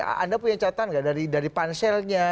anda punya catatan nggak dari panselnya